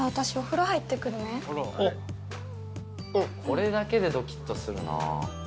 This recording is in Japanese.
「これだけでドキッとするな」